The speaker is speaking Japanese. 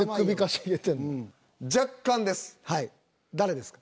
若干です。